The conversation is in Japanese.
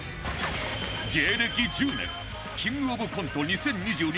芸歴１０年キングオブコント２０２２